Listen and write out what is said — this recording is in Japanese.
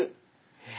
え⁉